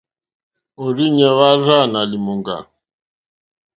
Òrzìɲɛ́ hwá rzâ nà lìmùŋɡà.